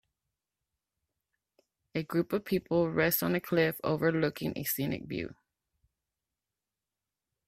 A group of people rest on a cliff overlooking a scenic view.